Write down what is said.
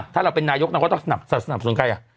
ถ้าเราเป็นนายกเราก็ต้องสนับสนุนใคร